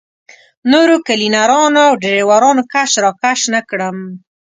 نورو کلینرانو او ډریورانو کش راکش نه کړم.